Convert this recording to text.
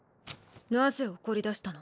なぜ怒りだしたの？